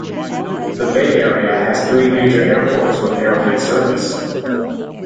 The Bay Area has three major airports with airline service.